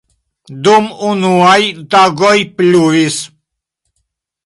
Dum unuaj tagoj pluvis.